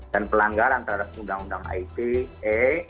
dan pelanggaran terhadap undang undang ite